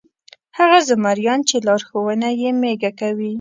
هغه زمریان چې لارښوونه یې مېږه کوي.